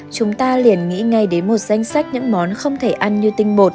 chúng ta liền nghĩ ngay đến một danh sách những món không thể ăn như tinh bột